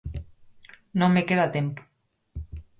Non me queda tempo.